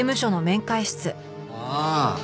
ああ。